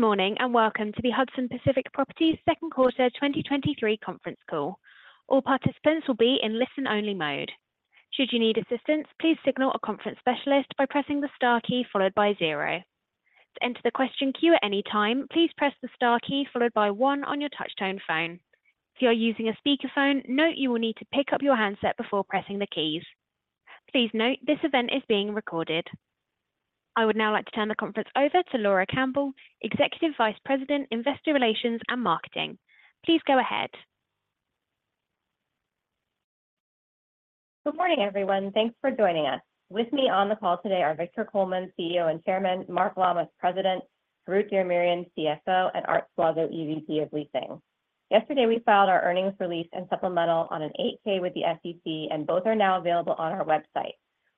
Good morning, welcome to the Hudson Pacific Properties Second Quarter 2023 conference call. All participants will be in listen-only mode. Should you need assistance, please signal a conference specialist by pressing the star key followed by zero. To enter the question queue at any time, please press the star key followed by one on your touchtone phone. If you are using a speakerphone, note you will need to pick up your handset before pressing the keys. Please note, this event is being recorded. I would now like to turn the conference over to Laura Campbell, Executive Vice President, Investor Relations and Marketing. Please go ahead. Good morning, everyone. Thanks for joining us. With me on the call today are Victor Coleman, CEO and Chairman; Mark Lammas, President; Harout Diramerian, CFO; and Art Suazo, EVP of Leasing. Yesterday, we filed our earnings release and supplemental on an 8-K with the SEC. Both are now available on our website.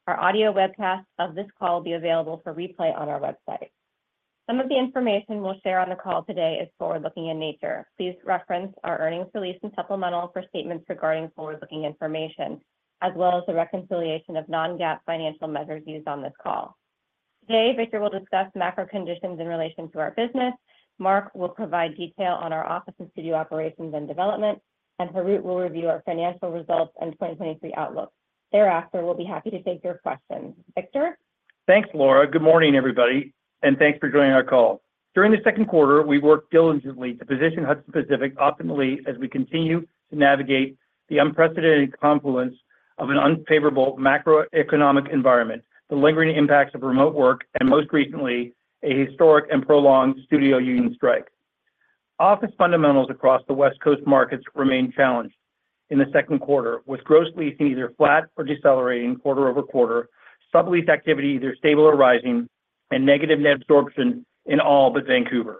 Our audio webcast of this call will be available for replay on our website. Some of the information we'll share on the call today is forward-looking in nature. Please reference our earnings release and supplemental for statements regarding forward-looking information, as well as the reconciliation of Non-GAAP financial measures used on this call. Today, Victor will discuss macro conditions in relation to our business. Mark will provide detail on our office and studio operations and development. Harout will review our financial results and 2023 outlook. Thereafter, we'll be happy to take your questions. Victor? Thanks, Laura. Good morning, everybody, and thanks for joining our call. During the second quarter, we worked diligently to position Hudson Pacific optimally as we continue to navigate the unprecedented confluence of an unfavorable macroeconomic environment, the lingering impacts of remote work, and most recently, a historic and prolonged studio union strike. Office fundamentals across the West Coast markets remained challenged in the second quarter, with gross leasing either flat or decelerating quarter-over-quarter, sublease activity either stable or rising, negative net absorption in all but Vancouver.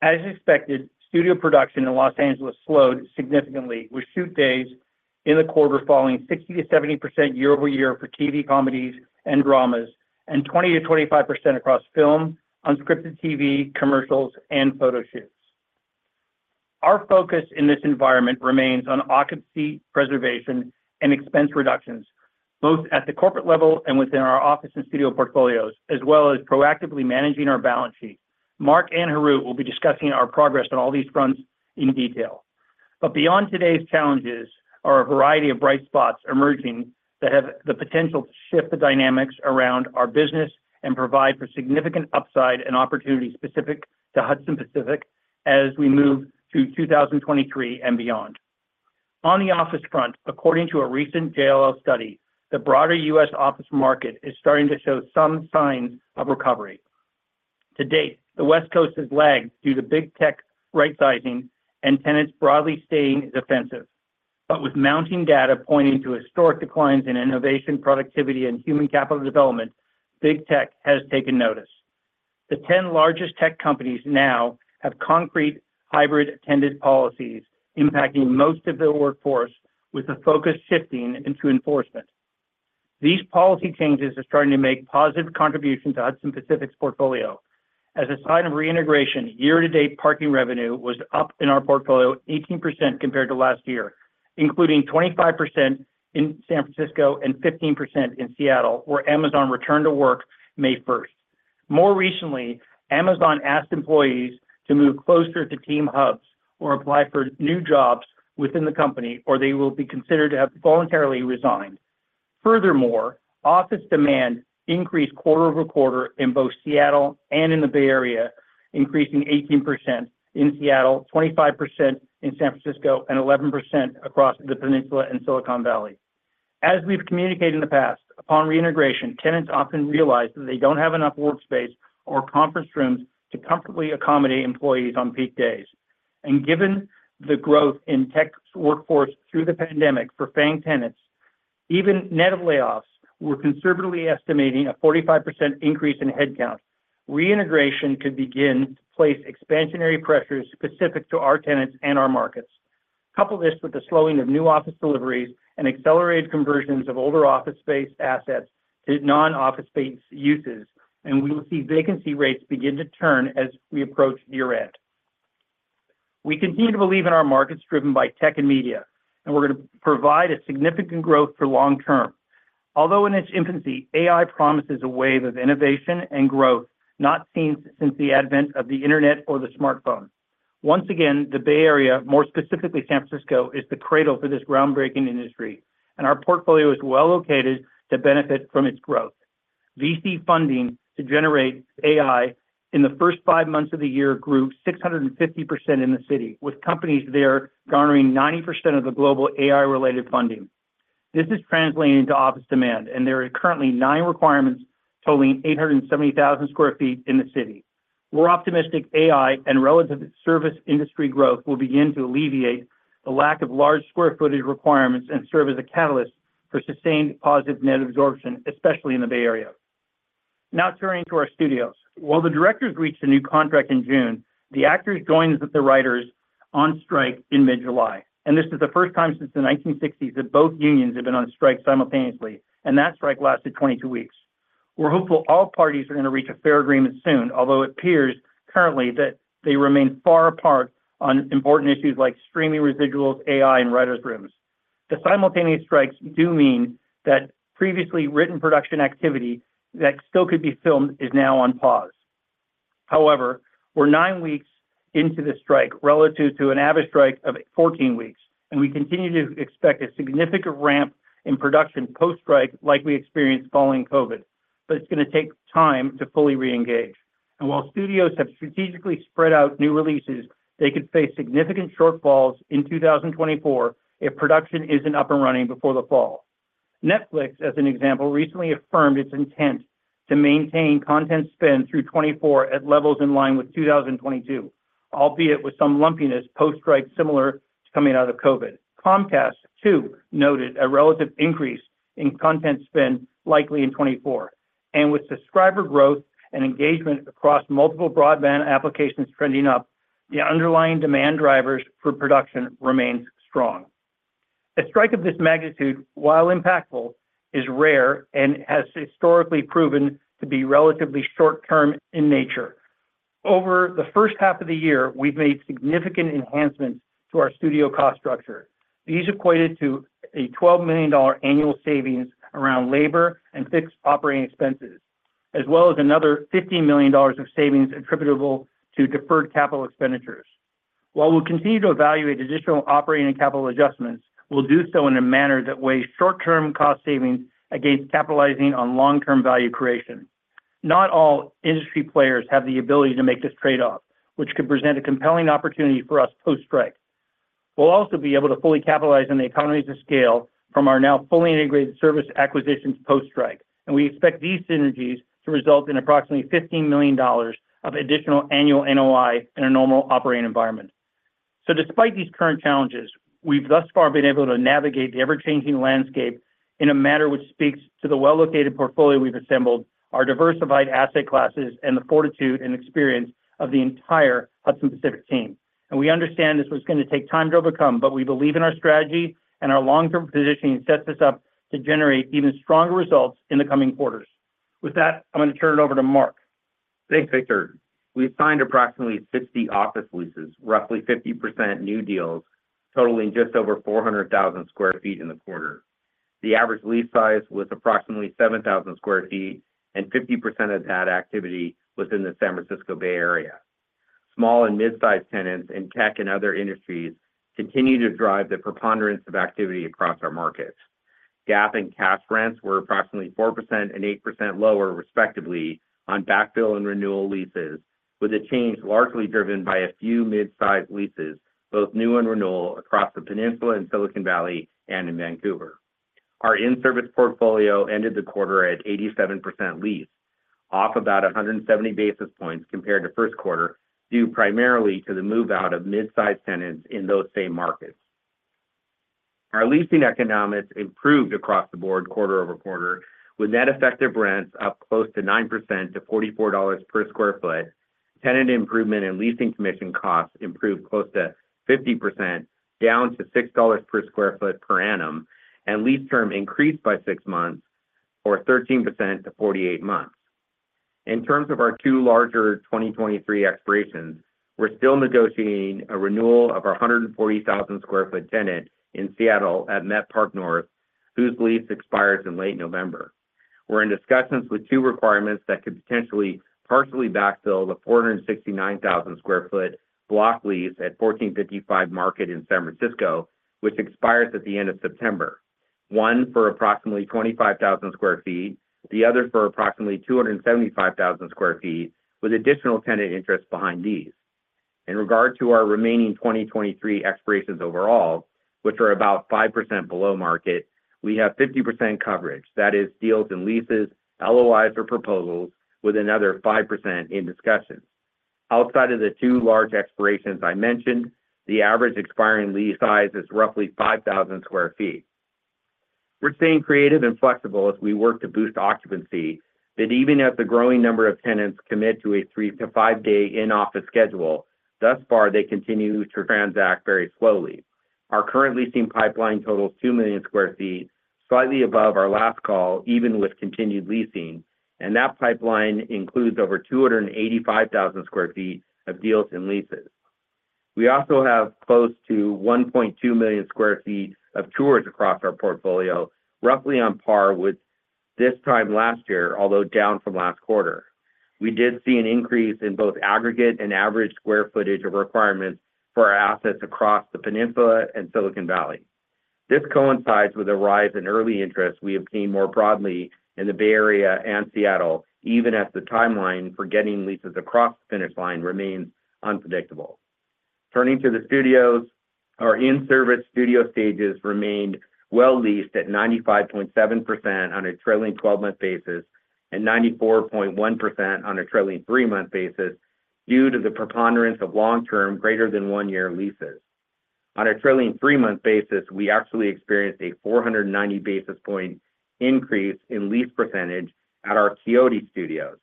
As expected, studio production in Los Angeles slowed significantly, with shoot days in the quarter falling 60%-70% year-over-year for TV comedies and dramas, and 20%-25% across film, unscripted TV, commercials, and photo shoots. Our focus in this environment remains on occupancy, preservation, and expense reductions, both at the corporate level and within our office and studio portfolios, as well as proactively managing our balance sheet. Mark and Harut will be discussing our progress on all these fronts in detail. Beyond today's challenges are a variety of bright spots emerging that have the potential to shift the dynamics around our business and provide for significant upside and opportunity specific to Hudson Pacific as we move to 2023 and beyond. On the office front, according to a recent JLL study, the broader U.S. office market is starting to show some signs of recovery. To date, the West Coast has lagged due to big tech rightsizing and tenants broadly staying defensive. With mounting data pointing to historic declines in innovation, productivity, and human capital development, big tech has taken notice. The 10 largest tech companies now have concrete hybrid attendance policies impacting most of their workforce, with the focus shifting into enforcement. These policy changes are starting to make positive contributions to Hudson Pacific's portfolio. As a sign of reintegration, year-to-date parking revenue was up in our portfolio 18% compared to last year, including 25% in San Francisco and 15% in Seattle, where Amazon returned to work May 1st. More recently, Amazon asked employees to move closer to team hubs or apply for new jobs within the company, or they will be considered to have voluntarily resigned. Office demand increased quarter-over-quarter in both Seattle and in the Bay Area, increasing 18% in Seattle, 25% in San Francisco, and 11% across the Peninsula and Silicon Valley. As we've communicated in the past, upon reintegration, tenants often realize that they don't have enough workspace or conference rooms to comfortably accommodate employees on peak days. Given the growth in tech's workforce through the pandemic for FAANG tenants, even net of layoffs, we're conservatively estimating a 45% increase in headcount. Reintegration could begin to place expansionary pressures specific to our tenants and our markets. Couple this with the slowing of new office deliveries and accelerated conversions of older office space assets to non-office space uses, and we will see vacancy rates begin to turn as we approach year-end. We continue to believe in our markets driven by tech and media, and we're going to provide a significant growth for long term. Although in its infancy, AI promises a wave of innovation and growth not seen since the advent of the internet or the smartphone. Once again, the Bay Area, more specifically, San Francisco, is the cradle for this groundbreaking industry, and our portfolio is well located to benefit from its growth. VC funding to generate AI in the first five months of the year grew 650% in the city, with companies there garnering 90% of the global AI-related funding. This is translating into office demand, and there are currently nine requirements totaling 870,000 sq ft in the city. We're optimistic AI and relative service industry growth will begin to alleviate the lack of large square footage requirements and serve as a catalyst for sustained positive net absorption, especially in the Bay Area. Now, turning to our studios. While the directors reached a new contract in June, the actors joined with the writers on strike in mid-July, This is the first time since the 1960s that both unions have been on strike simultaneously, That strike lasted 22 weeks. We're hopeful all parties are going to reach a fair agreement soon, although it appears currently that they remain far apart on important issues like streaming residuals, AI, and writers' rooms. The simultaneous strikes do mean that previously written production activity that still could be filmed is now on pause. We're nine weeks into the strike relative to an average strike of 14 weeks, and we continue to expect a significant ramp in production post-strike like we experienced following COVID. It's going to take time to fully reengage. While studios have strategically spread out new releases, they could face significant shortfalls in 2024 if production isn't up and running before the fall. Netflix, as an example, recently affirmed its intent to maintain content spend through 2024 at levels in line with 2022, albeit with some lumpiness post-strike, similar to coming out of COVID. Comcast too noted a relative increase in content spend likely in 2024, and with subscriber growth and engagement across multiple broadband applications trending up, the underlying demand drivers for production remains strong. A strike of this magnitude, while impactful, is rare and has historically proven to be relatively short term in nature. Over the first half of the year, we've made significant enhancements to our studio cost structure. These equated to a $12 million annual savings around labor and fixed operating expenses, as well as another $15 million of savings attributable to deferred capital expenditures. While we'll continue to evaluate additional operating and capital adjustments, we'll do so in a manner that weighs short-term cost savings against capitalizing on long-term value creation. Not all industry players have the ability to make this trade-off, which could present a compelling opportunity for us post-strike. We'll also be able to fully capitalize on the economies of scale from our now fully integrated service acquisitions post-strike, and we expect these synergies to result in approximately $15 million of additional annual NOI in a normal operating environment. Despite these current challenges, we've thus far been able to navigate the ever-changing landscape in a manner which speaks to the well-located portfolio we've assembled, our diversified asset classes, and the fortitude and experience of the entire Hudson Pacific team. We understand this was going to take time to overcome, but we believe in our strategy, and our long-term positioning sets us up to generate even stronger results in the coming quarters. With that, I'm going to turn it over to Mark. Thanks, Victor. We've signed approximately 60 office leases, roughly 50% new deals, totaling just over 400,000 sq ft in the quarter. The average lease size was approximately 7,000 sq ft, and 50% of that activity was in the San Francisco Bay Area. Small and mid-sized tenants in tech and other industries continue to drive the preponderance of activity across our markets. Gap and cash rents were approximately 4% and 8% lower, respectively, on backfill and renewal leases, with the change largely driven by a few mid-sized leases, both new and renewal, across the Peninsula and Silicon Valley and in Vancouver. Our in-service portfolio ended the quarter at 87% leased, off about 170 basis points compared to first quarter, due primarily to the move-out of mid-sized tenants in those same markets. Our leasing economics improved across the board quarter-over-quarter, with net effective rents up close to 9% to $44 per sq ft. Tenant improvement and leasing commission costs improved close to 50%, down to $6 per sq ft per annum, and lease term increased by six months or 13% to 48-months. In terms of our two larger 2023 expirations, we're still negotiating a renewal of our 140,000 sq ft tenant in Seattle at Met Park North, whose lease expires in late November. We're in discussions with two requirements that could potentially partially backfill the 469,000 sq ft block lease at 1455 Market in San Francisco, which expires at the end of September. One for approximately 25,000 sq ft, the other for approximately 275,000 sq ft, with additional tenant interest behind these. In regard to our remaining 2023 expirations overall, which are about 5% below market, we have 50% coverage, that is, deals and leases, LOIs or proposals, with another 5% in discussion. Outside of the two large expirations I mentioned, the average expiring lease size is roughly 5,000 sq ft. We're staying creative and flexible as we work to boost occupancy, that even as the growing number of tenants commit to a 3-to-5 day in-office schedule, thus far, they continue to transact very slowly. Our current leasing pipeline totals 2 million sq ft, slightly above our last call, even with continued leasing, and that pipeline includes over 285,000 sq ft of deals and leases. We also have close to 1.2 million sq ft of tours across our portfolio, roughly on par with this time last year, although down from last quarter. We did see an increase in both aggregate and average sq ft of requirements for our assets across the Peninsula and Silicon Valley. This coincides with a rise in early interest we have seen more broadly in the Bay Area and Seattle, even as the timeline for getting leases across the finish line remains unpredictable. Turning to the studios, our in-service studio stages remained well leased at 95.7% on a trailing 12-month basis and 94.1% on a trailing 3-month basis due to the preponderance of long-term, greater than 1-year leases. On a trailing 3-month basis, we actually experienced a 490 basis point increase in lease percentage at our Quixote Studios.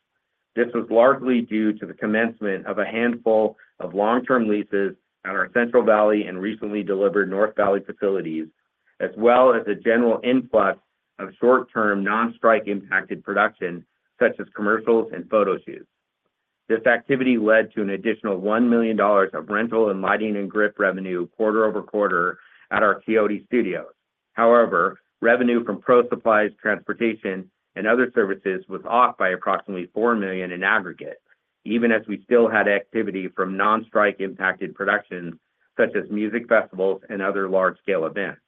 This was largely due to the commencement of a handful of long-term leases at our Central Valley and recently delivered North Valley facilities, as well as a general influx of short-term, non-strike impacted production, such as commercials and photo shoots. This activity led to an additional $1 million of rental and lighting and grip revenue quarter-over-quarter at our Quixote Studios. However, revenue from pro supplies, transportation, and other services was off by approximately $4 million in aggregate, even as we still had activity from non-strike impacted productions, such as music festivals and other large-scale events.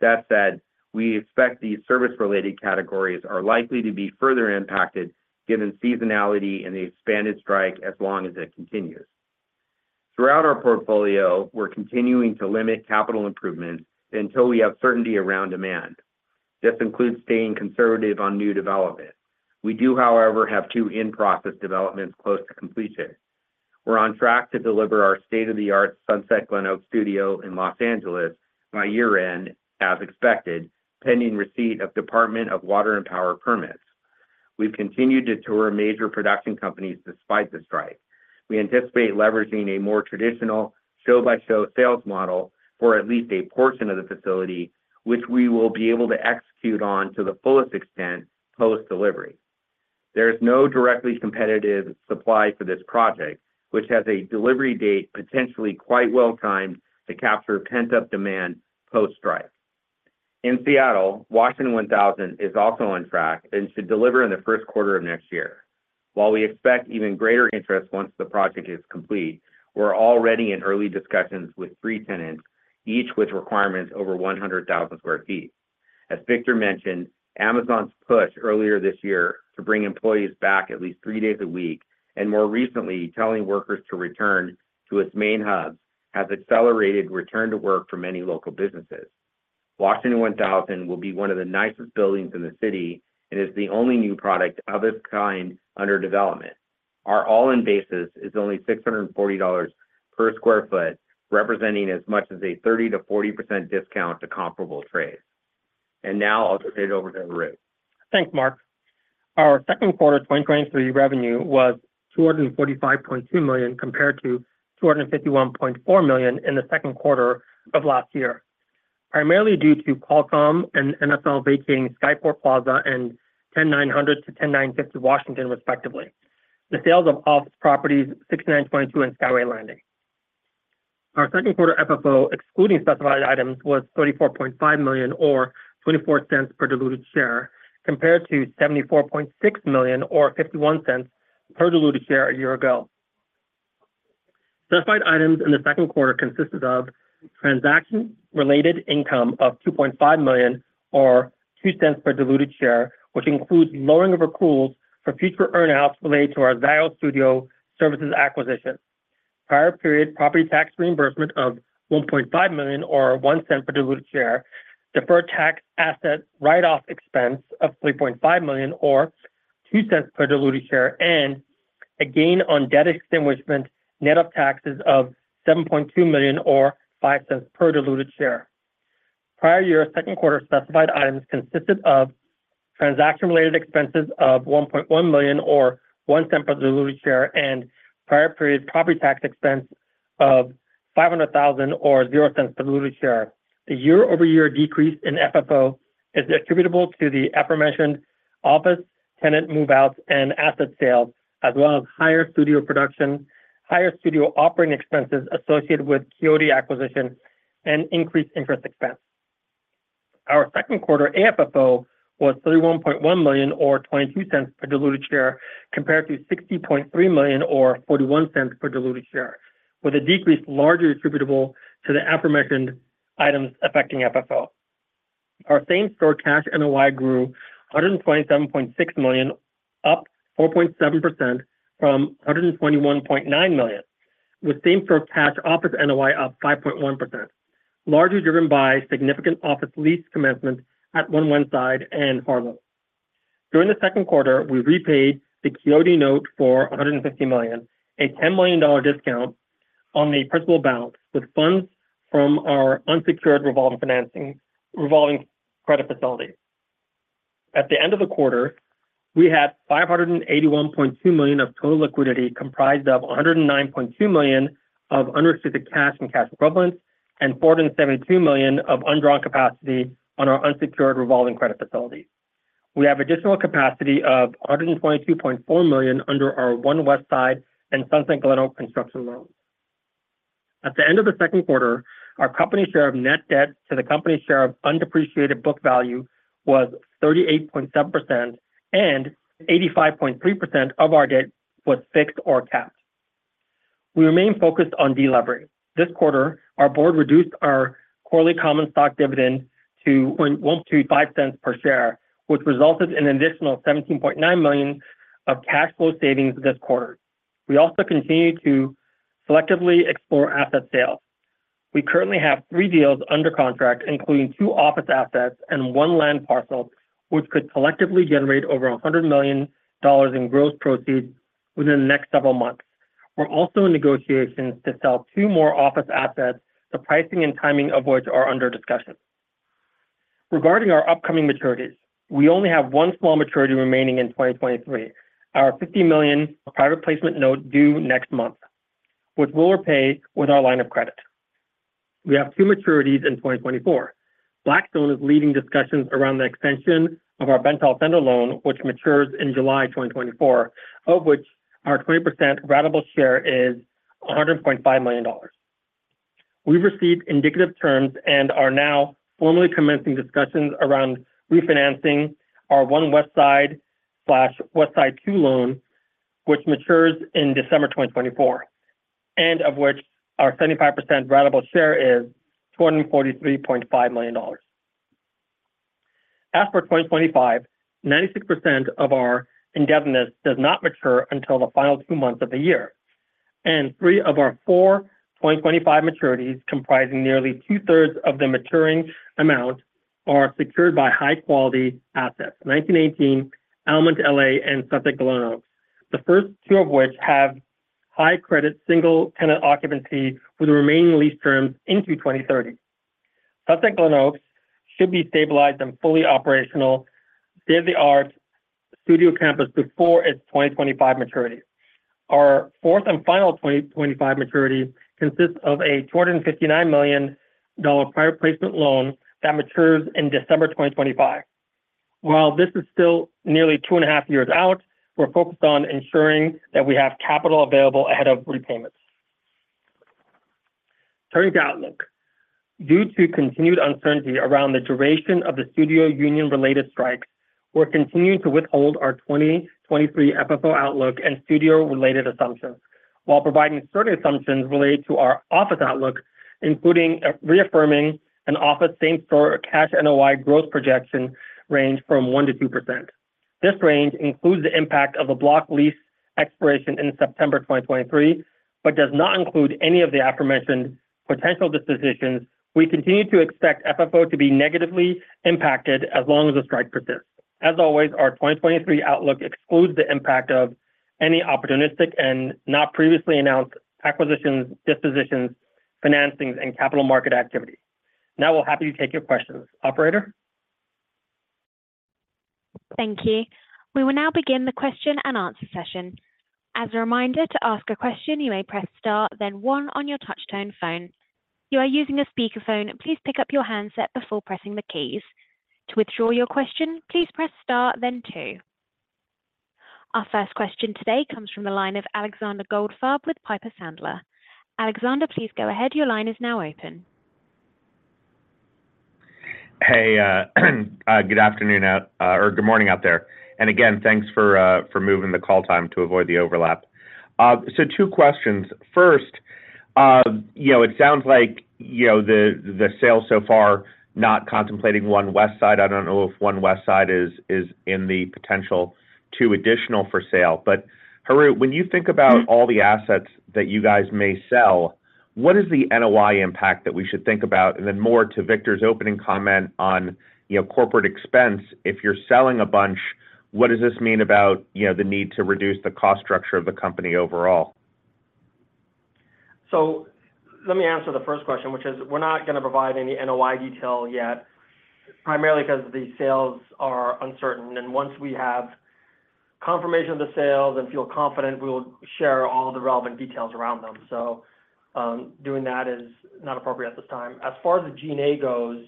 That said, we expect these service-related categories are likely to be further impacted given seasonality and the expanded strike as long as it continues. Throughout our portfolio, we're continuing to limit capital improvements until we have certainty around demand. This includes staying conservative on new development. We do, however, have two in-process developments close to completion. We're on track to deliver our state-of-the-art Sunset Glenoaks Studios in Los Angeles by year-end, as expected, pending receipt of Los Angeles Department of Water and Power permits. We've continued to tour major production companies despite the strike. We anticipate leveraging a more traditional show-by-show sales model for at least a portion of the facility, which we will be able to execute on to the fullest extent post-delivery. There is no directly competitive supply for this project, which has a delivery date potentially quite well-timed to capture pent-up demand post-strike. In Seattle, Washington One Thousand is also on track and should deliver in the first quarter of next year. While we expect even greater interest once the project is complete, we're already in early discussions with three tenants, each with requirements over 100,000 sq ft. As Victor mentioned, Amazon's push earlier this year to bring employees back at least three days a week, and more recently, telling workers to return to its main hub, has accelerated return to work for many local businesses. Washington One Thousand will be one of the nicest buildings in the city and is the only new product of its kind under development. Our all-in basis is only $640 per square foot, representing as much as a 30%-40% discount to comparable trades. Now I'll turn it over to Harout. Thanks, Mark. Our second quarter 2023 revenue was $245.2 million, compared to $251.4 million in the second quarter of last year, primarily due to Qualcomm and NFL vacating Skyport Plaza and 10900-10950 Washington, respectively. The sales of office properties, 6922 and Skyway Landing. Our second quarter FFO, excluding specified items, was $34.5 million or $0.24 per diluted share, compared to $74.6 million or $0.51 per diluted share a year ago. Specified items in the second quarter consisted of transaction-related income of $2.5 million or $0.02 per diluted share, which includes lowering of accruals for future earn-outs related to our Zio Studio Services acquisition. Prior period, property tax reimbursement of $1.5 million or $0.01 per diluted share, deferred tax asset write-off expense of $3.5 million or $0.02 per diluted share, and a gain on debt extinguishment, net of taxes of $7.2 million or $0.05 per diluted share. Prior year, second quarter specified items consisted of transaction-related expenses of $1.1 million or $0.01 per diluted share, and prior period property tax expense of $500,000 or $0.00 per diluted share. The year-over-year decrease in FFO is attributable to the aforementioned office tenant move-outs and asset sales, as well as higher studio production, higher studio operating expenses associated with Quixote acquisition and increased interest expense. Our second quarter AFFO was $31.1 million or $0.22 per diluted share, compared to $60.3 million or $0.41 per diluted share, with a decrease largely attributable to the aforementioned items affecting FFO. Our same-store cash NOI grew $127.6 million, up 4.7% from $121.9 million, with same-store cash office NOI up 5.1%, largely driven by significant office lease commencements at One Westside and The Harlow. During the second quarter, we repaid the Quixote note for $150 million, a $10 million discount on the principal balance, with funds from our unsecured revolving financing, revolving credit facility. At the end of the quarter, we had $581.2 million of total liquidity, comprised of $109.2 million of unrestricted cash and cash equivalents, and $472 million of undrawn capacity on our unsecured revolving credit facility. We have additional capacity of $122.4 million under our One Westside and Sunset Glenoaks construction loan. At the end of the second quarter, our company share of net debt to the company's share of undepreciated book value was 38.7%, and 85.3% of our debt was fixed or capped. We remain focused on deleveraging. This quarter, our board reduced our quarterly common stock dividend to $0.00125 per share, which resulted in an additional $17.9 million of cash flow savings this quarter. We also continued to selectively explore asset sales. We currently have three deals under contract, including two office assets and one land parcel, which could collectively generate over $100 million in gross proceeds within the next several months. We're also in negotiations to sell two more office assets, the pricing and timing of which are under discussion. Regarding our upcoming maturities, we only have one small maturity remaining in 2023, our $50 million private placement note due next month, which we'll repay with our line of credit. We have two maturities in 2024. Blackstone is leading discussions around the extension of our Bentall Center loan, which matures in July 2024, of which our 20% ratable share is $100.5 million. We've received indicative terms and are now formally commencing discussions around refinancing our One Westside/Westside Two loan, which matures in December 2024, and of which our 75% ratable share is $243.5 million. As for 2025, 96% of our indebtedness does not mature until the final two months of the year, and three of our four 2025 maturities, comprising nearly two-thirds of the maturing amount, are secured by high-quality assets: 1918, Element LA, and Sunset Glenoaks. The first two of which have high credit, single-tenant occupancy with remaining lease terms into 2030. Sunset Glenoaks should be stabilized and fully operational state-of-the-art studio campus before its 2025 maturity. Our fourth and final 2025 maturity consists of a $259 million private placement loan that matures in December 2025. While this is still nearly two and a half years out, we're focused on ensuring that we have capital available ahead of repayments. Turning to outlook. Due to continued uncertainty around the duration of the studio union-related strikes, we're continuing to withhold our 2023 FFO outlook and studio-related assumptions, while providing certain assumptions related to our office outlook, including reaffirming an office same-store cash NOI growth projection range from 1%-2%. This range includes the impact of a block lease expiration in September 2023, but does not include any of the aforementioned potential dispositions. We continue to expect FFO to be negatively impacted as long as the strike persists. As always, our 2023 outlook excludes the impact of any opportunistic and not previously announced acquisitions, dispositions, financings, and capital market activity. Now, we're happy to take your questions. Operator? Thank you. We will now begin the question and answer session. As a reminder, to ask a question, you may press Star, then One on your touchtone phone. If you are using a speakerphone, please pick up your handset before pressing the keys. To withdraw your question, please press Star, then Two. Our first question today comes from the line of Alexander Goldfarb with Piper Sandler. Alexander, please go ahead. Your line is now open. Hey, good afternoon, or good morning out there. Again, thanks for moving the call time to avoid the overlap. So two questions. First, you know, it sounds like, you know, the sale so far, not contemplating One Westside. I don't know if One Westside is, is in the potential two additional for sale. Haru, when you think about all the assets that you guys may sell, what is the NOI impact that we should think about? Then more to Victor's opening comment on, you know, corporate expense, if you're selling a bunch, what does this mean about, you know, the need to reduce the cost structure of the company overall? Let me answer the first question, which is we're not going to provide any NOI detail yet, primarily because the sales are uncertain. Once we have confirmation of the sales and feel confident, we will share all the relevant details around them. Doing that is not appropriate at this time. As far as the G&A goes,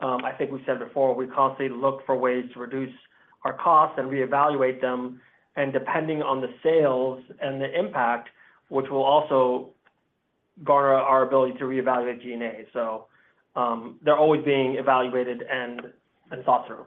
I think we said before, we constantly look for ways to reduce our costs and reevaluate them, and depending on the sales and the impact, which will also garner our ability to reevaluate G&A. They're always being evaluated and, and thought through.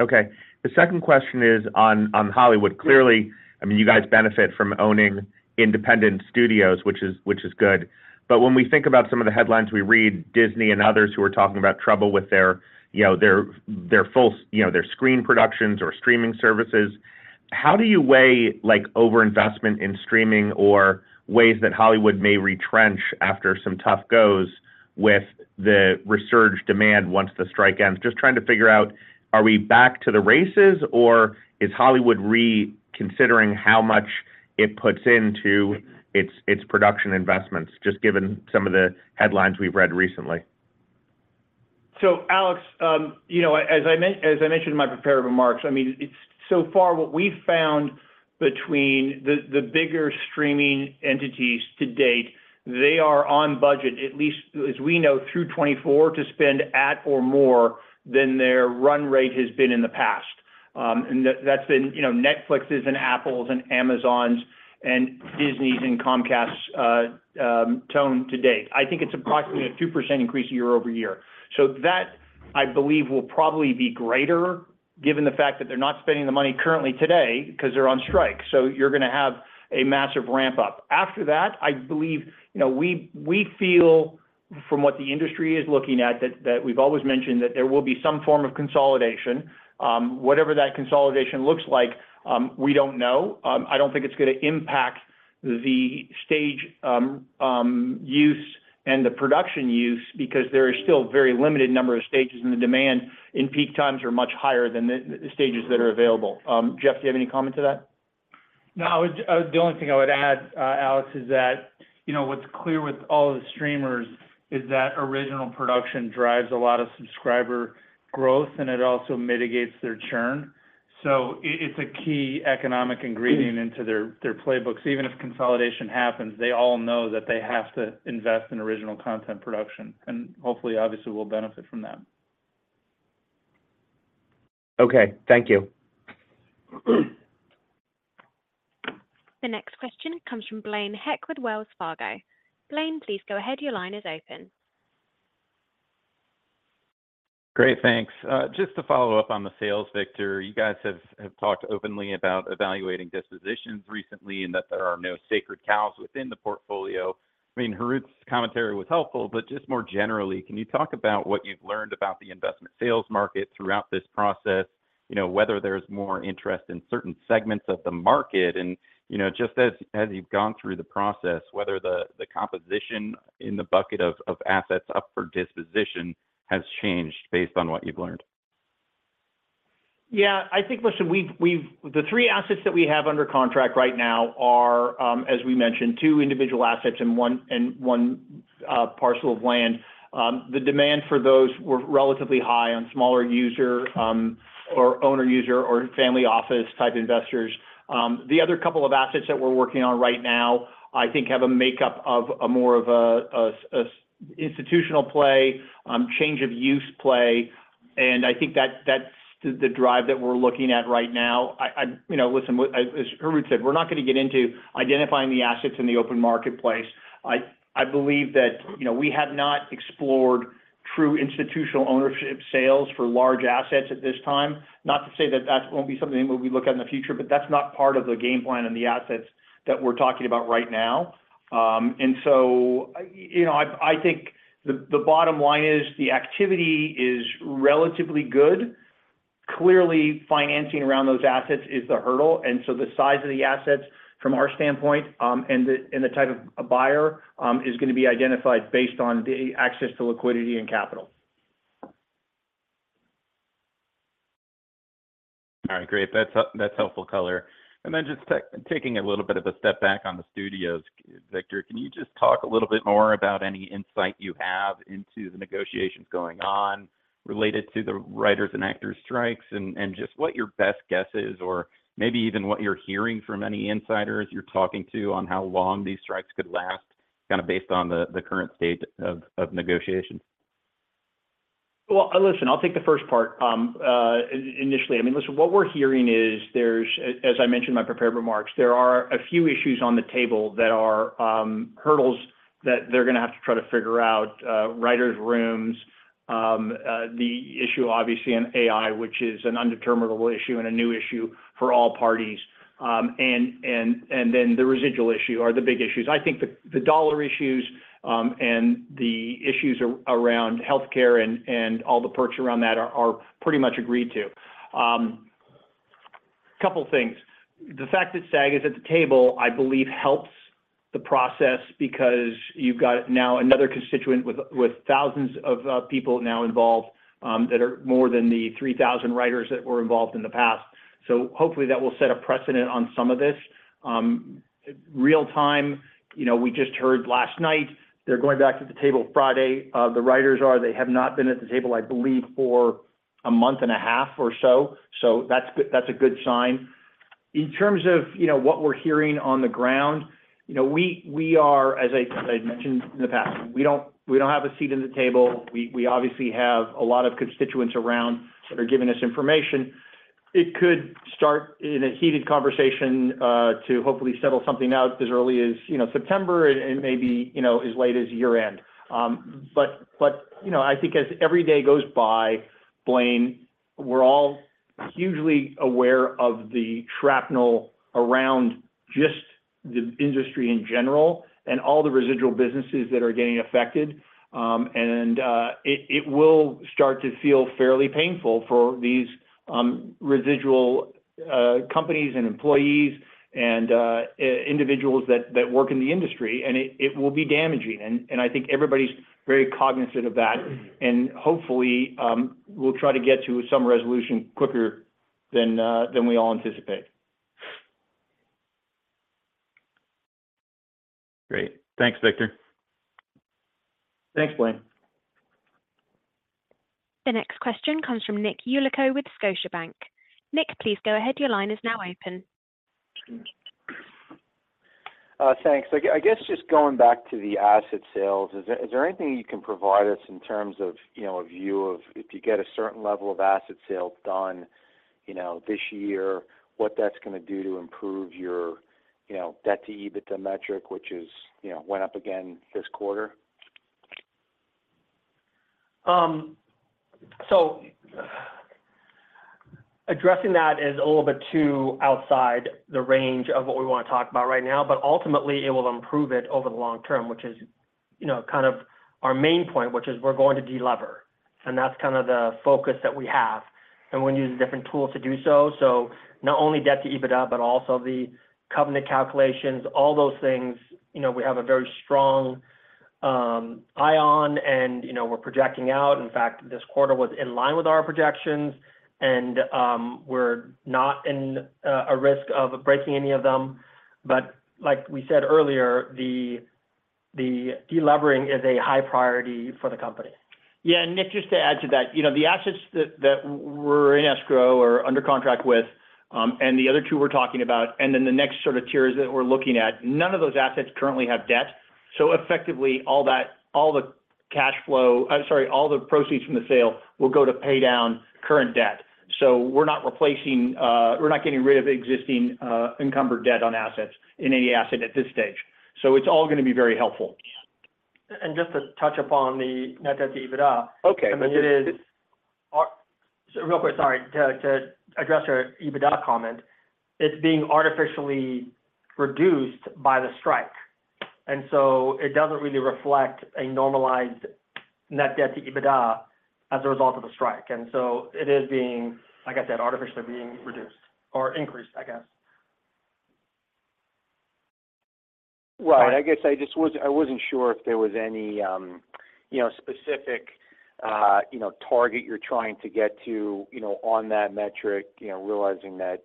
Okay. The second question is on, on Hollywood. Clearly, I mean, you guys benefit from owning independent studios, which is, which is good. When we think about some of the headlines we read, Disney and others who are talking about trouble with their, you know, their, their screen productions or streaming services, how do you weigh, like, overinvestment in streaming or ways that Hollywood may retrench after some tough goes with the resurged demand once the strike ends? Just trying to figure out, are we back to the races, or is Hollywood reconsidering how much it puts into its, its production investments, just given some of the headlines we've read recently? Alex, you know, as I mentioned in my prepared remarks, I mean, so far, what we've found between the, the bigger streaming entities to date, they are on budget, at least as we know, through 2024, to spend at or more than their run rate has been in the past. And that's been, you know, Netflix's and Apple's and Amazon's and Disney's and Comcast's tone to date. I think it's approximately a 2% increase year-over-year. That, I believe, will probably be greater given the fact that they're not spending the money currently today because they're on strike. You're going to have a massive ramp-up. After that, I believe, you know, we, we feel from what the industry is looking at, that, that we've always mentioned that there will be some form of consolidation. Whatever that consolidation looks like, we don't know. I don't think it's going to impact the stage use and the production use because there is still a very limited number of stages, and the demand in peak times are much higher than the stages that are available. Jeff, do you have any comment to that? The only thing I would add, Alex, is that, you know, what's clear with all the streamers is that original production drives a lot of subscriber growth, and it also mitigates their churn. It's a key economic ingredient into their, their playbooks. If consolidation happens, they all know that they have to invest in original content production, and hopefully, obviously, we'll benefit from that. Okay, thank you. The next question comes from Blaine Heck with Wells Fargo. Blaine, please go ahead. Your line is open. Great, thanks. Just to follow up on the sales, Victor, you guys have talked openly about evaluating dispositions recently, and that there are no sacred cows within the portfolio. I mean, Harut's commentary was helpful, but just more generally, can you talk about what you've learned about the investment sales market throughout this process? You know, whether there's more interest in certain segments of the market, and, you know, just as you've gone through the process, whether the composition in the bucket of assets up for disposition has changed based on what you've learned? Yeah, I think, listen, we've the three assets that we have under contract right now are, as we mentioned, two individual assets and one, and one parcel of land. The demand for those were relatively high on smaller user, or owner user or family office type investors. The other couple of assets that we're working on right now, I think, have a makeup of a more of a institutional play, change of use play. And I think that's the, the drive that we're looking at right now. I you know, listen, as, as Harut said, we're not gonna get into identifying the assets in the open marketplace. I believe that, you know, we have not explored true institutional ownership sales for large assets at this time. Not to say that that won't be something that we look at in the future, but that's not part of the game plan and the assets that we're talking about right now. You know, I, I think the, the bottom line is the activity is relatively good. Clearly, financing around those assets is the hurdle, and so the size of the assets from our standpoint, and the, and the type of buyer, is gonna be identified based on the access to liquidity and capital. All right, great. That's helpful color. Then just taking a little bit of a step back on the studios, Victor, can you just talk a little bit more about any insight you have into the negotiations going on related to the writers and actors strikes? And just what your best guess is, or maybe even what you're hearing from any insiders you're talking to, on how long these strikes could last, kinda based on the, the current state of negotiations. Well, listen, I'll take the first part. I mean, listen, what we're hearing is there's, as I mentioned in my prepared remarks, there are a few issues on the table that are hurdles that they're gonna have to try to figure out. Writers' rooms, the issue obviously on AI, which is an undeterminable issue and a new issue for all parties. The residual issue are the big issues. I think the, the dollar issues, and the issues around healthcare and, and all the perks around that are, are pretty much agreed to. Couple things. The fact that SAG-AFTRA is at the table, I believe, helps the process because you've got now another constituent with, with thousands of people now involved, that are more than the 3,000 writers that were involved in the past. Hopefully, that will set a precedent on some of this. Real time, you know, we just heard last night, they're going back to the table Friday. The writers are, they have not been at the table, I believe, for a month and a half or so. That's that's a good sign. In terms of, you know, what we're hearing on the ground, you know, we, we are, as I, as I mentioned in the past, we don't, we don't have a seat in the table. We, we obviously have a lot of constituents around that are giving us information. It could start in a heated conversation, to hopefully settle something out as early as, you know, September, and maybe, you know, as late as year-end. You know, I think as every day goes by, Blaine, we're all hugely aware of the shrapnel around just the industry in general and all the residual businesses that are getting affected. It will start to feel fairly painful for these residual companies and employees and individuals that work in the industry. It will be damaging, and I think everybody's very cognizant of that. Hopefully, we'll try to get to some resolution quicker than we all anticipate. Great. Thanks, Victor. Thanks, Blaine. The next question comes from Nick Yulico with Scotiabank. Nick, please go ahead. Your line is now open. Thanks. I guess just going back to the asset sales, is there, is there anything you can provide us in terms of, you know, a view of if you get a certain level of asset sales done, you know, this year, what that's gonna do to improve your, you know, debt-to-EBITDA metric, which is, you know, went up again this quarter? Addressing that is a little bit too outside the range of what we wanna talk about right now, but ultimately, it will improve it over the long term, which is, you know, kind of our main point, which is we're going to delever, and that's kind of the focus that we have. And we're gonna use different tools to do so. Not only debt to EBITDA, but also the covenant calculations, all those things, you know, we have a very strong eye on, and, you know, we're projecting out. In fact, this quarter was in line with our projections, and we're not in a risk of breaking any of them. Like we said earlier, the, the delevering is a high priority for the company. Yeah, Nick, just to add to that, you know, the assets that, that were in escrow- we're under contract with, and the other two we're talking about, and then the next sort of tiers that we're looking at, none of those assets currently have debt. Effectively, all the cash flow, sorry, all the proceeds from the sale will go to pay down current debt. We're not replacing, we're not getting rid of existing, encumbered debt on assets in any asset at this stage. It's all gonna be very helpful. Just to touch upon the net debt-to-EBITDA. Okay. I mean, it is. Real quick, sorry. To address your EBITDA comment, it's being artificially reduced by the strike, and so it doesn't really reflect a normalized net debt-to-EBITDA as a result of the strike. So it is being, like I said, artificially being reduced or increased, I guess. Right. I guess I just I wasn't sure if there was any, you know, specific, you know, target you're trying to get to, you know, on that metric, you know, realizing that,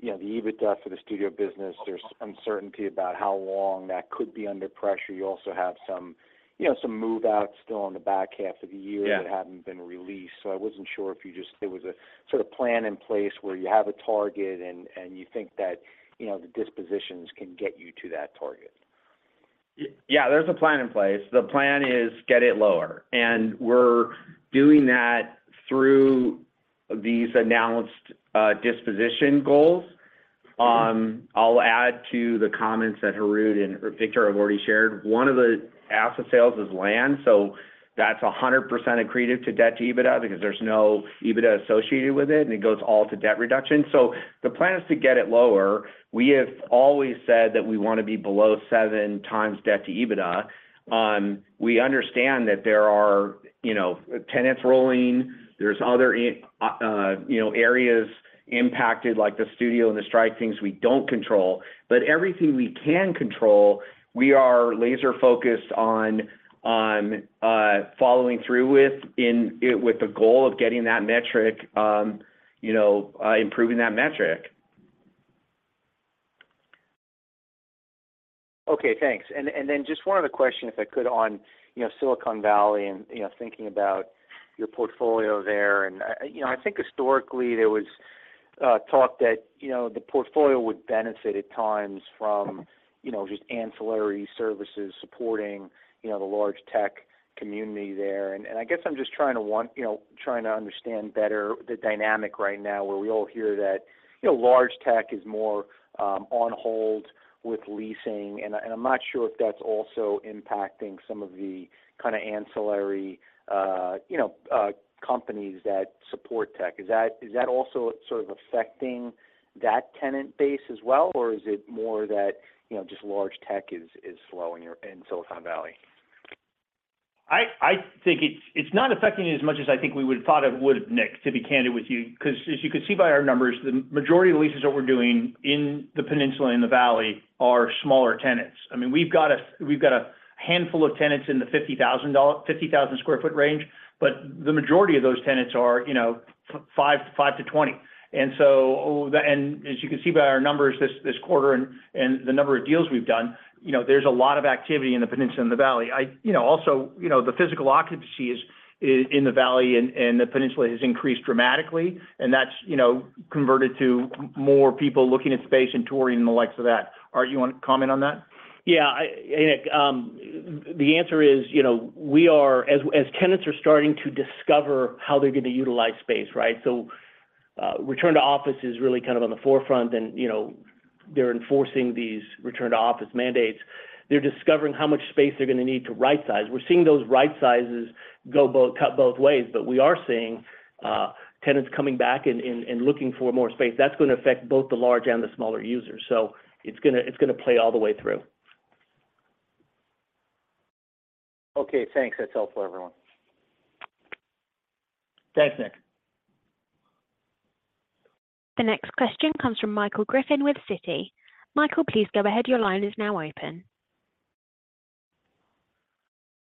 you know, the EBITDA for the studio business, there's uncertainty about how long that could be under pressure. You also have some, you know, some move-outs still on the back half of the year. Yeah... that haven't been released. I wasn't sure if you just, there was a sort of plan in place where you have a target and, and you think that, you know, the dispositions can get you to that target. Yeah, there's a plan in place. The plan is get it lower, we're doing that through these announced disposition goals. I'll add to the comments that Harut and Victor have already shared. One of the asset sales is land, that's 100% accretive to debt to EBITDA because there's no EBITDA associated with it, and it goes all to debt reduction. The plan is to get it lower. We have always said that we want to be below 7x debt to EBITDA. We understand that there are, you know, tenants rolling, there's other, you know, areas impacted, like the studio and the strike, things we don't control. Everything we can control, we are laser focused on, on following through with, in, with the goal of getting that metric, you know, improving that metric. Okay, thanks. Then just one other question, if I could, on, you know, Silicon Valley and, you know, thinking about your portfolio there. You know, I think historically there was talk that, you know, the portfolio would benefit at times from, you know, just ancillary services supporting, you know, the large tech community there. I guess I'm just trying to, you know, trying to understand better the dynamic right now, where we all hear that, you know, large tech is more on hold with leasing, and I'm not sure if that's also impacting some of the kind of ancillary, you know, companies that support tech. Is that, is that also sort of affecting that tenant base as well, or is it more that, you know, just large tech is, is slowing your in Silicon Valley? I, I think it's, it's not affecting it as much as I think we would have thought it would, Nick, to be candid with you, because as you can see by our numbers, the majority of leases that we're doing in the Peninsula, in the Valley, are smaller tenants. I mean, we've got a handful of tenants in the 50,000 sq ft range, but the majority of those tenants are, you know, 5-to-5-to-20. So, and as you can see by our numbers this, this quarter and, and the number of deals we've done, you know, there's a lot of activity in the Peninsula, in the Valley. You know, also, you know, the physical occupancy is, is in the valley and, and the Peninsula has increased dramatically, and that's, you know, converted to more people looking at space and touring and the likes of that. Art, you want to comment on that? The answer is, you know, as tenants are starting to discover how they're going to utilize space, right? Return to office is really kind of on the forefront and, you know, they're enforcing these return to office mandates. They're discovering how much space they're going to need to rightsize. We're seeing those rightsizes cut both ways, but we are seeing tenants coming back and looking for more space. That's going to affect both the large and the smaller users. It's gonna, it's gonna play all the way through. Okay, thanks. That's all for everyone. Thanks, Nick. The next question comes from Michael Griffin with Citi. Michael, please go ahead. Your line is now open.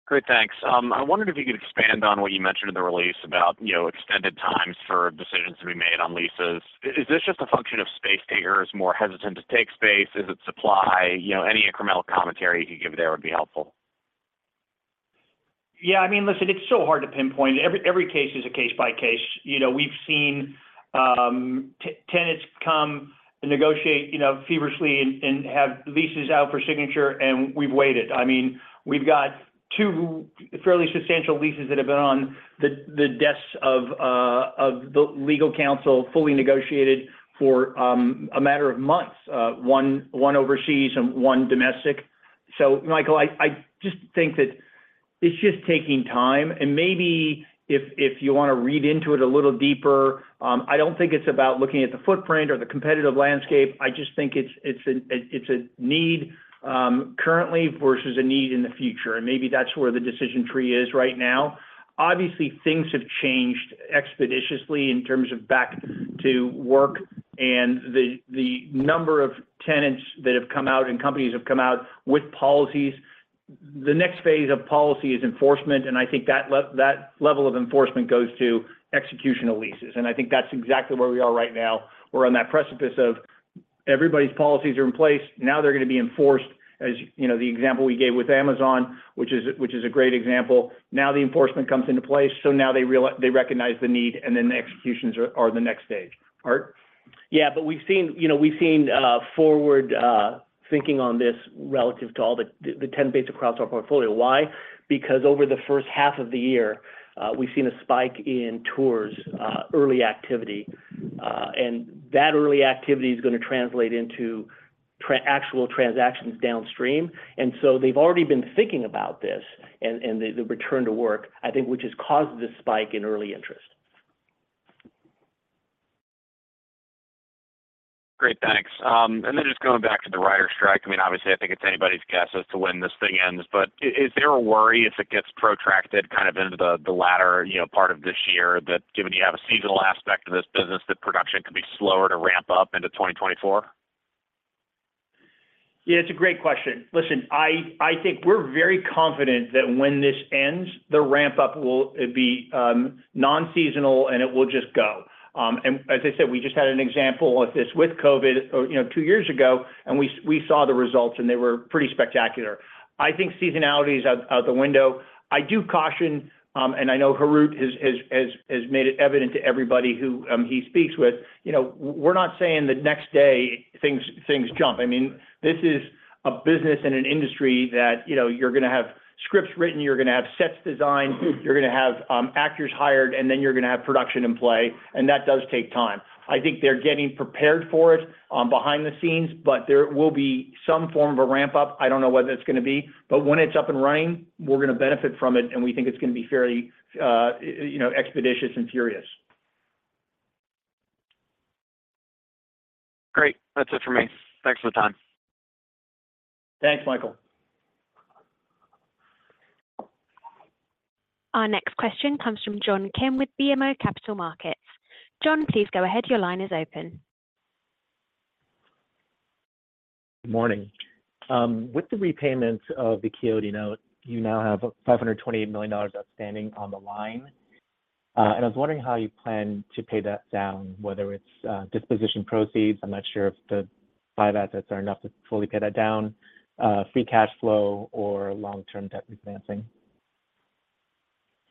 Great, thanks. I wondered if you could expand on what you mentioned in the release about, you know, extended times for decisions to be made on leases. Is this just a function of space takers more hesitant to take space? Is it supply? You know, any incremental commentary you could give there would be helpful. Yeah, I mean, listen, it's so hard to pinpoint. Every, every case is a case by case. You know, we've seen tenants come and negotiate, you know, feverishly and, and have leases out for signature, and we've waited. I mean, we've got two fairly substantial leases that have been on the, the desks of the legal counsel, fully negotiated for a matter of months, one, one overseas and one domestic. Michael, I just think that it's just taking time, and maybe if you want to read into it a little deeper, I don't think it's about looking at the footprint or the competitive landscape, I just think it's a need currently versus a need in the future, and maybe that's where the decision tree is right now. Obviously, things have changed expeditiously in terms of back to work and the, the number of tenants that have come out and companies have come out with policies. The next phase of policy is enforcement, and I think that level of enforcement goes to executional leases, and I think that's exactly where we are right now. We're on that precipice of. Everybody's policies are in place. Now they're gonna be enforced, as, you know, the example we gave with Amazon, which is, which is a great example. Now, the enforcement comes into place, so now they recognize the need, and then the executions are, are the next stage. Art? Yeah, we've seen, you know, we've seen forward thinking on this relative to all the, the tenants based across our portfolio. Why? Because over the first half of the year, we've seen a spike in tours, early activity. That early activity is gonna translate into actual transactions downstream. They've already been thinking about this, and, and the, the return to work, I think, which has caused this spike in early interest. Great, thanks. Then just going back to the writers' strike. I mean, obviously, I think it's anybody's guess as to when this thing ends, but is there a worry if it gets protracted kind of into the, the latter, you know, part of this year, that given you have a seasonal aspect to this business, that production could be slower to ramp up into 2024? Yeah, it's a great question. Listen, I think we're very confident that when this ends, the ramp-up will be non-seasonal, and it will just go. As I said, we just had an example of this with COVID, or, you know, two years ago, and we saw the results, and they were pretty spectacular. I think seasonality is out the window. I do caution, I know Harut has made it evident to everybody who he speaks with, you know, we're not saying the next day things jump. I mean, this is a business and an industry that, you know, you're gonna have scripts written, you're gonna have sets designed, you're gonna have actors hired, then you're gonna have production in play, and that does take time. I think they're getting prepared for it, behind the scenes, but there will be some form of a ramp-up. I don't know whether it's gonna be. When it's up and running, we're gonna benefit from it, and we think it's gonna be fairly, you know, expeditious and furious. Great. That's it for me. Thanks for the time. Thanks, Michael. Our next question comes from John Kim with BMO Capital Markets. John, please go ahead. Your line is open. Morning. With the repayments of the Coyote note, you now have $528 million outstanding on the line. I was wondering how you plan to pay that down, whether it's disposition proceeds, I'm not sure if the five assets are enough to fully pay that down, free cash flow or long-term debt refinancing?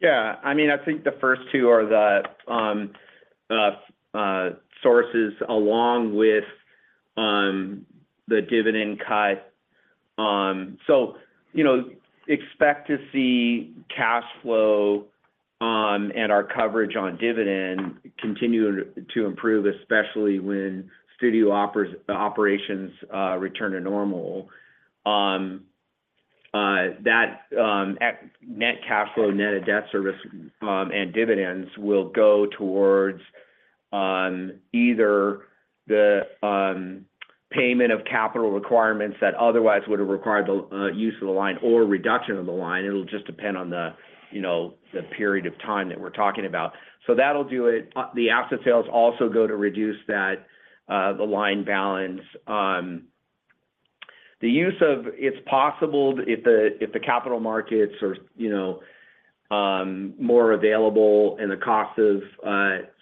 Yeah, I mean, I think the first two are the sources along with the dividend cut. You know, expect to see cash flow and our coverage on dividend continue to improve, especially when studio operations return to normal. That at net cash flow, net of debt service and dividends will go towards either the payment of capital requirements that otherwise would have required the use of the line or reduction of the line. It'll just depend on the, you know, the period of time that we're talking about. That'll do it. The asset sales also go to reduce that the line balance. The use of... It's possible if the, if the capital markets are, you know, more available and the cost of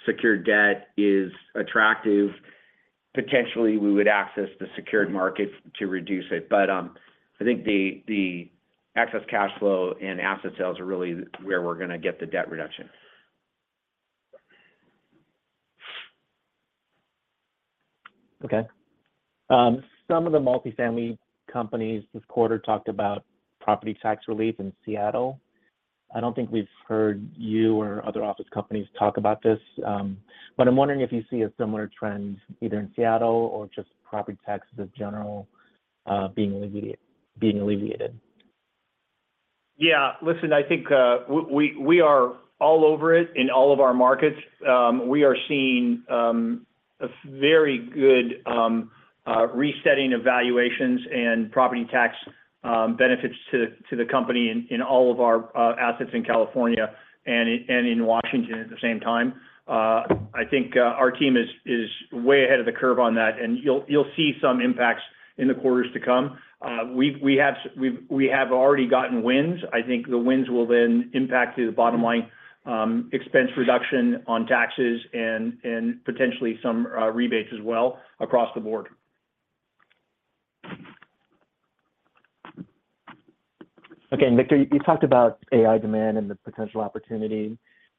secured debt is attractive, potentially we would access the secured markets to reduce it. I think the, the excess cash flow and asset sales are really where we're gonna get the debt reduction. Okay. Some of the multifamily companies this quarter talked about property tax relief in Seattle. I don't think we've heard you or other office companies talk about this, but I'm wondering if you see a similar trend, either in Seattle or just property taxes in general, being alleviated, being alleviated. Yeah. Listen, I think, we, we are all over it in all of our markets. We are seeing a very good resetting of valuations and property tax benefits to the company in all of our assets in California and in Washington at the same time. I think our team is way ahead of the curve on that, and you'll see some impacts in the quarters to come. We have already gotten wins. I think the wins will then impact the bottom line, expense reduction on taxes and potentially some rebates as well across the board. Okay, Victor, you, you talked about AI demand and the potential opportunity.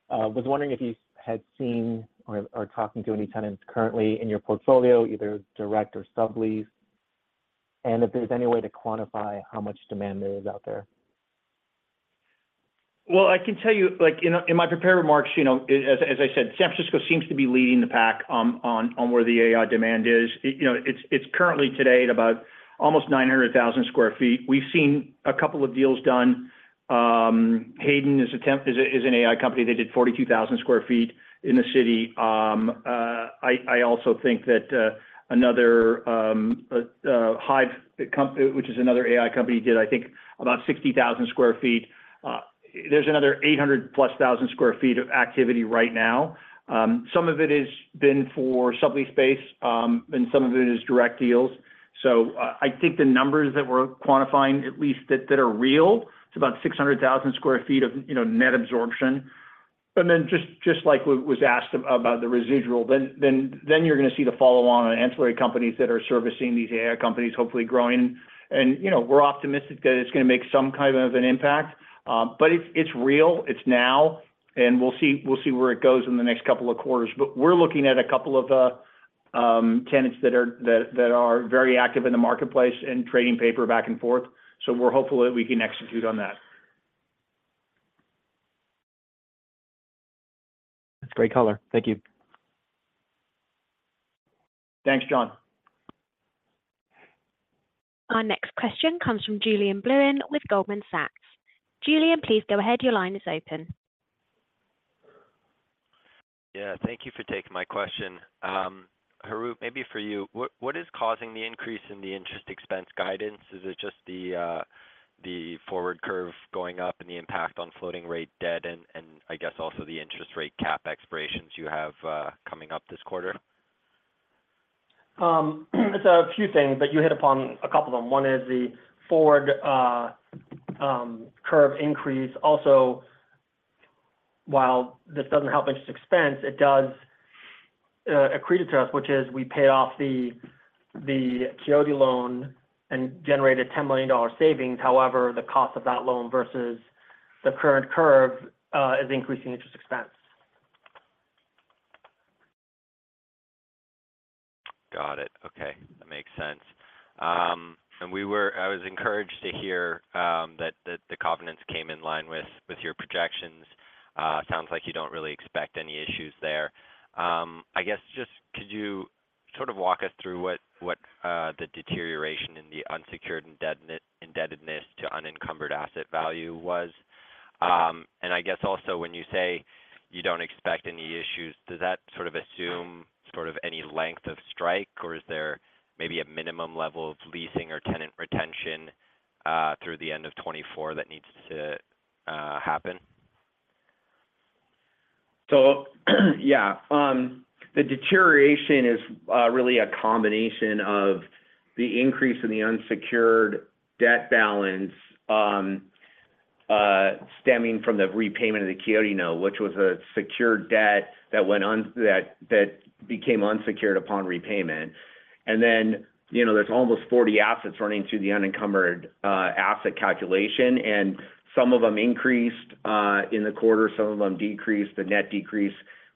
I was wondering if you had seen or, or talking to any tenants currently in your portfolio, either direct or sublease, and if there's any way to quantify how much demand there is out there? Well, I can tell you, like, in, in my prepared remarks, you know, as, as I said, San Francisco seems to be leading the pack, on where the AI demand is. You know, it's currently today at about almost $900,000 sq ft. We've seen a couple of deals done. Hayden is an AI company. They did $42,000 sq ft in the city. I also think that another Hive, which is another AI company, did I think about $60,000 sq ft. There's another $800+ thousand sq ft of activity right now. Some of it is been for sublease space, and some of it is direct deals. I think the numbers that we're quantifying, at least that, that are real, it's about 600,000 sq ft of net absorption. Then just, just like was asked about the residual, then, then, then you're gonna see the follow on, on ancillary companies that are servicing these AI companies, hopefully growing. You know, we're optimistic that it's gonna make some kind of an impact. It's, it's real, it's now, and we'll see, we'll see where it goes in the next couple of quarters. We're looking at a couple of tenants that are, that, that are very active in the marketplace and trading paper back and forth. We're hopeful that we can execute on that. That's great color. Thank you. Thanks, John. Our next question comes from Julian Blouin with Goldman Sachs. Julian, please go ahead. Your line is open. Yeah, thank you for taking my question. Harut, maybe for you, what, what is causing the increase in the interest expense guidance? Is it just the forward curve going up and the impact on floating rate debt and, and I guess also the interest rate cap expirations you have coming up this quarter? It's a few things, but you hit upon a couple of them. One is the forward curve increase. While this doesn't help interest expense, it does accrete to us, which is we pay off the Coyote note and generate a $10 million savings. The cost of that loan versus the current curve is increasing interest expense. Got it. Okay, that makes sense. I was encouraged to hear that the covenants came in line with your projections. Sounds like you don't really expect any issues there. I guess just could you sort of walk us through what the deterioration in the unsecured indebtedness to unencumbered asset value was? I guess also when you say you don't expect any issues, does that sort of assume any length of strike, or is there maybe a minimum level of leasing or tenant retention through the end of 2024 that needs to happen? Yeah, the deterioration is really a combination of the increase in the unsecured debt balance, stemming from the repayment of the Coyote note, which was a secured debt that went that became unsecured upon repayment. You know, there's almost 40 assets running through the unencumbered asset calculation, and some of them increased in the quarter, some of them decreased. The net decrease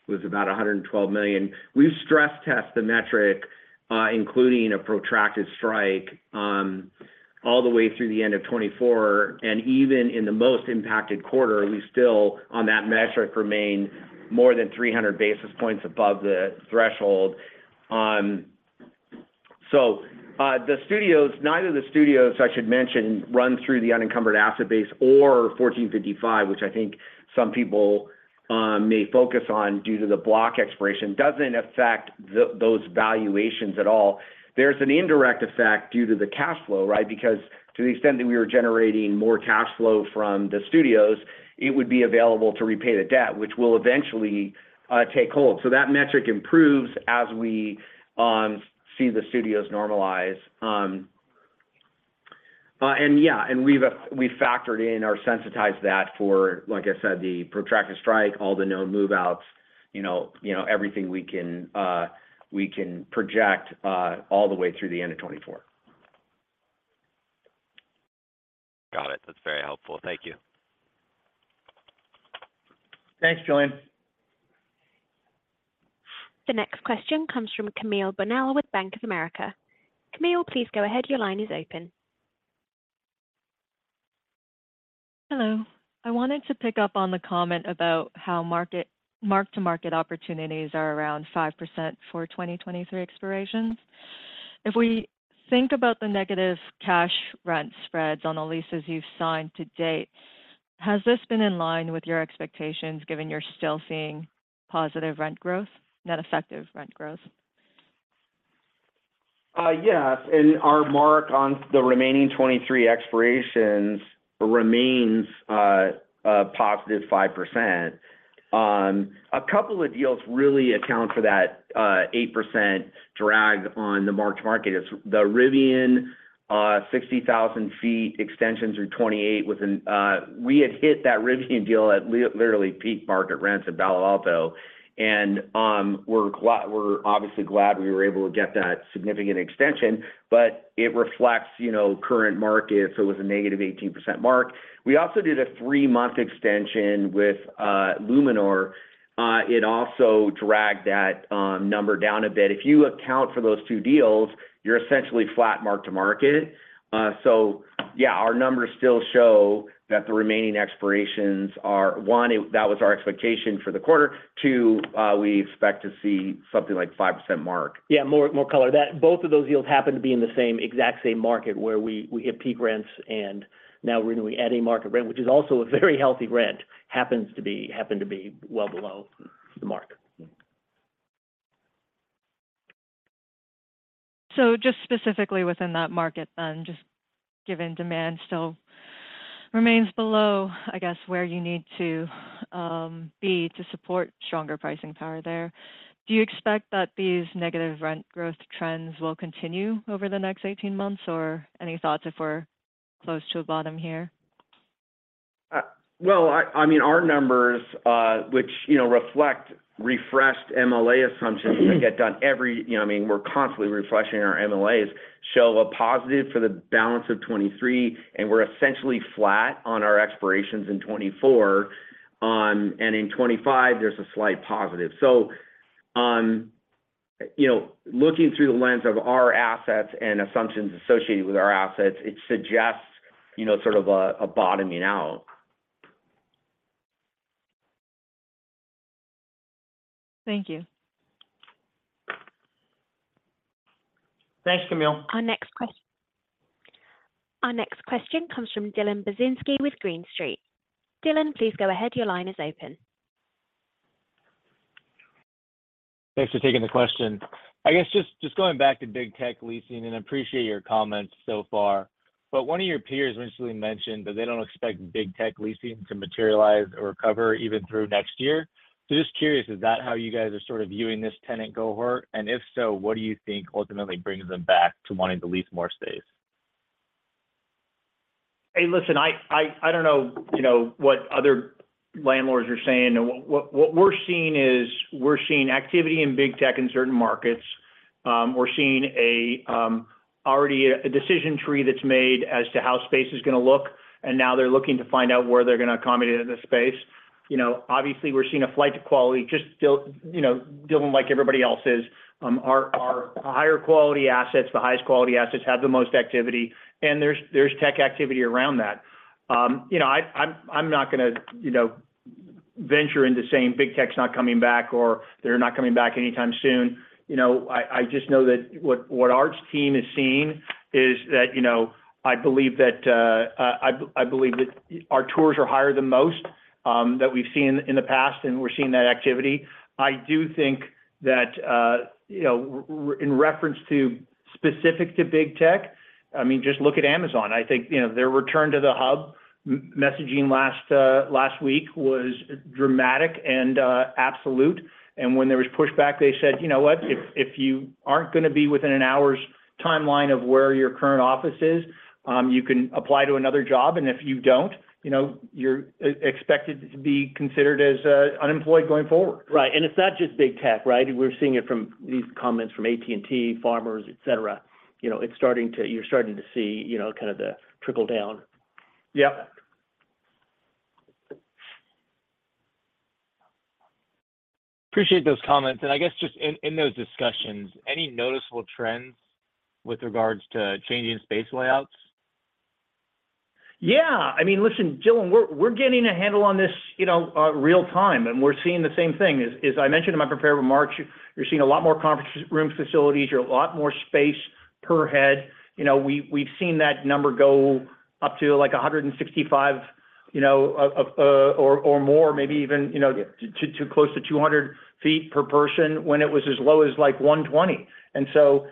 was about $112 million. We've stress tested the metric, including a protracted strike, all the way through the end of 2024, and even in the most impacted quarter, we still, on that metric, remain more than 300 basis points above the threshold. The studios, neither of the studios, I should mention, run through the unencumbered asset base or 1455, which I think some people may focus on due to the block expiration, doesn't affect those valuations at all. There's an indirect effect due to the cash flow, right? To the extent that we are generating more cash flow from the studios, it would be available to repay the debt, which will eventually take hold. That metric improves as we see the studios normalize. And we've factored in or sensitized that for, like I said, the protracted strike, all the known move-outs, you know, you know, everything we can project all the way through the end of 2024. Got it. That's very helpful. Thank you. Thanks, Julian. The next question comes from Camille Bonella with Bank of America. Camille, please go ahead. Your line is open. Hello. I wanted to pick up on the comment about how mark to market opportunities are around 5% for 2023 expirations. If we think about the negative cash rent spreads on the leases you've signed to date, has this been in line with your expectations, given you're still seeing positive rent growth, net effective rent growth? Yes, and our mark on the remaining 23 expirations remains a positive 5%. A couple of deals really account for that 8% drag on the mark to market. It's the Rivian, 60,000 sq ft extension through 2028, with an. We had hit that Rivian deal at literally peak market rents in Palo Alto. We're obviously glad we were able to get that significant extension, but it reflects, you know, current market, so it was a negative 18% mark. We also did a three-month extension with Luminar. It also dragged that number down a bit. If you account for those two deals, you're essentially flat mark to market. Yeah, our numbers still show that the remaining expirations are, one, that was our expectation for the quarter, two, we expect to see something like 5% mark. Yeah, more, more color. That both of those deals happen to be in the same, exact same market where we, we hit peak rents, now we're gonna be adding market rent, which is also a very healthy rent, happen to be well below the mark. Just specifically within that market, then, just given demand still remains below, I guess, where you need to, be to support stronger pricing power there, do you expect that these negative rent growth trends will continue over the next 18 months, or any thoughts if we're? close to a bottom here? Well, I, I mean, our numbers, which, you know, reflect refreshed MLA assumptions that get done every, you know, I mean, we're constantly refreshing our MLAs, show a positive for the balance of 2023, and we're essentially flat on our expirations in 2024. In 2025, there's a slight positive. Looking through the lens of our assets and assumptions associated with our assets, it suggests, you know, sort of a, a bottoming out. Thank you. Thanks, Camille. Our next question comes from Dylan Buzynski with Green Street. Dylan, please go ahead. Your line is open. Thanks for taking the question. I guess just, just going back to big tech leasing, and I appreciate your comments so far. One of your peers recently mentioned that they don't expect big tech leasing to materialize or recover even through next year. Just curious, is that how you guys are sort of viewing this tenant cohort? If so, what do you think ultimately brings them back to wanting to lease more space? Hey, listen, I don't know, you know, what other landlords are saying. What, what, what we're seeing is, we're seeing activity in big tech in certain markets. We're seeing a, already a, a decision tree that's made as to how space is gonna look, and now they're looking to find out where they're gonna accommodate in the space. You know, obviously, we're seeing a flight to quality, just still, you know, dealing like everybody else is. Our, our higher quality assets, the highest quality assets, have the most activity, and there's, there's tech activity around that. You know, I'm not gonna, you know, venture into saying big tech's not coming back or they're not coming back anytime soon. You know, I just know that what, what Art's team is seeing is that, you know, I believe that I believe that our tours are higher than most that we've seen in the past, and we're seeing that activity. I do think that, you know, in reference to specific to big tech, I mean, just look at Amazon. I think, you know, their return to the hub messaging last last week was dramatic and absolute. When there was pushback, they said, "You know what? If, if you aren't gonna be within an hour's timeline of where your current office is, you can apply to another job, and if you don't, you know, you're expected to be considered as unemployed going forward. Right. It's not just big tech, right? We're seeing it from these comments from AT&T, Farmers, et cetera. You know, you're starting to see, you know, kind of the trickle down. Yep. I guess just in, in those discussions, any noticeable trends with regards to changing space layouts? Yeah. I mean, listen, Dylan, we're, we're getting a handle on this, you know, real time, and we're seeing the same thing. As, as I mentioned in my prepared remarks, you're seeing a lot more conference room facilities. You're a lot more space per head. You know, we, we've seen that number go up to, like, 165, you know, or, or more, maybe even, you know, to, to close to 200 feet per person, when it was as low as, like, 120. So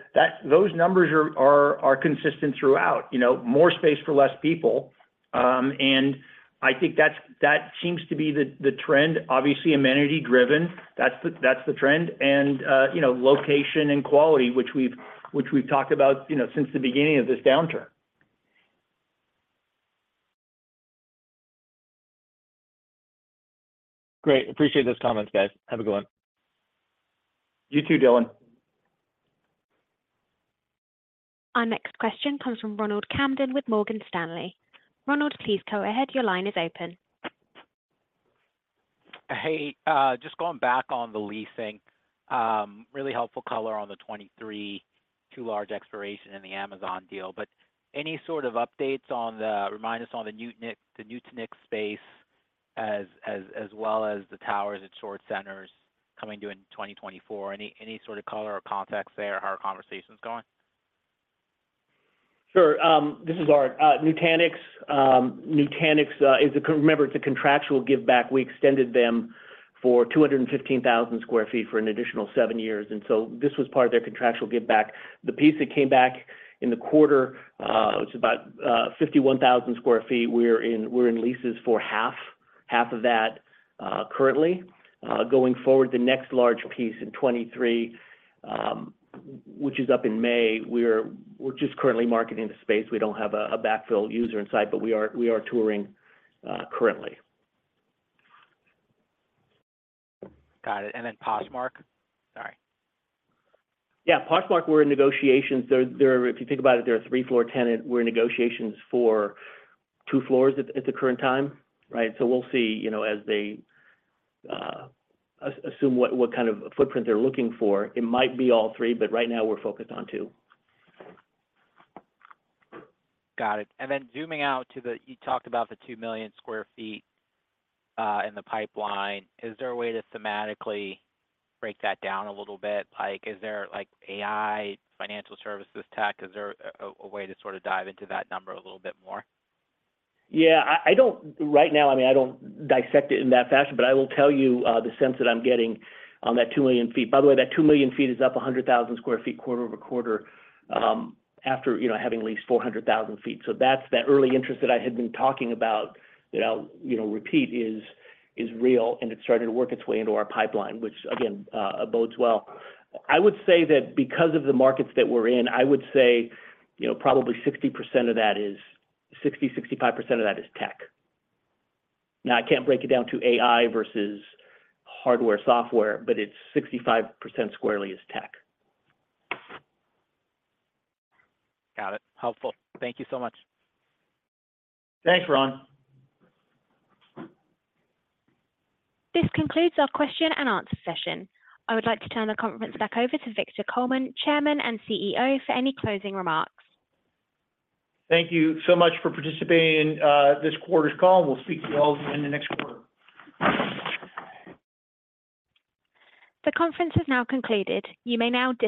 those numbers are, are, are consistent throughout, you know, more space for less people. I think that's, that seems to be the, the trend. Obviously, amenity driven, that's the, that's the trend, and, you know, location and quality, which we've, which we've talked about, you know, since the beginning of this downturn. Great. Appreciate those comments, guys. Have a good one. You too, Dylan. Our next question comes from Ronald Kamdem with Morgan Stanley. Ronald, please go ahead. Your line is open. Just going back on the leasing, really helpful color on the 2023, two large expiration in the Amazon deal. Any sort of updates on the remind us on the Nutanix, the Nutanix space, as well as the Towers at Shore Center coming due in 2024? Any, any sort of color or context there, how are conversations going? Sure. This is Art. Nutanix, Nutanix, is remember, it's a contractual giveback. We extended them for 215,000 sq ft for an additional seven years. This was part of their contractual giveback. The piece that came back in the quarter, it's about 51,000 sq ft. We're in leases for half, half of that, currently. Going forward, the next large piece in 2023, which is up in May, we're, we're just currently marketing the space. We don't have a, a backfill user in sight. We are, we are touring, currently. Got it. Then Poshmark? Sorry. Yeah. Poshmark, we're in negotiations. There are, If you think about it, they're a 3-floor tenant. We're in negotiations for two floors at the current time, right? We'll see, you know, as they assume what kind of footprint they're looking for. It might be all three, but right now we're focused on two. Got it. Then zooming out to the... You talked about the 2 million square feet in the pipeline. Is there a way to thematically break that down a little bit? Like, is there, like, AI, financial services, tech? Is there a way to sort of dive into that number a little bit more? Yeah. I, I don't-- Right now, I mean, I don't dissect it in that fashion, but I will tell you, the sense that I'm getting on that 2 million feet. By the way, that 2 million feet is up 100,000 sq ft quarter-over-quarter, after, you know, having leased 400,000 feet. That's the early interest that I had been talking about that I'll, you know, repeat, is, is real, and it's starting to work its way into our pipeline, which again, bodes well. I would say that because of the markets that we're in, I would say, you know, probably 60% of that is 60%-65% of that is tech. Now, I can't break it down to AI versus hardware, software, but it's 65% squarely is tech. Got it. Helpful. Thank you so much. Thanks, Ron. This concludes our question and answer session. I would like to turn the conference back over to Victor Coleman, Chairman and CEO, for any closing remarks. Thank you so much for participating in this quarter's call. We'll speak to you all in the next quarter. The conference is now concluded. You may now disconnect.